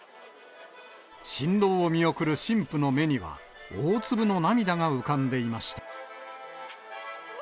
新郎を見送る新婦の目には、大粒の涙が浮かんでいました。